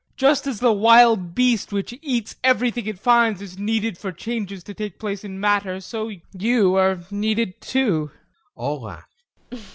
Just as the wild beast which eats everything it finds is needed for changes to take place in matter, so you are needed too. [All laugh.